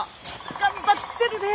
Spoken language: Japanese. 頑張ってるね。